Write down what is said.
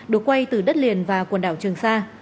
được quay từ đất liền và quần đảo trường sa